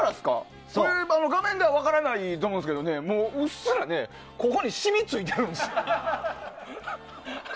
画面では分からないと思うけどうっすらシミがついてるんですよ。